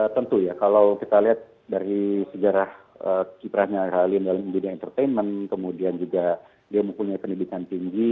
tentu ya kalau kita lihat dari sejarah kiprahnya ralin dalam dunia entertainment kemudian juga dia mempunyai pendidikan tinggi